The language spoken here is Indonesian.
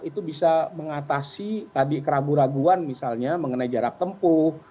itu bisa mengatasi tadi keraguan keraguan misalnya mengenai jarak tempuh